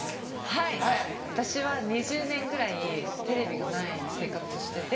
はい私は２０年ぐらいテレビがない生活してて。